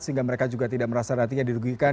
sehingga mereka juga tidak merasa hatinya didugikan